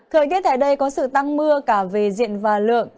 thời tiết tại đây có sự tăng mưa cả về diện và lượng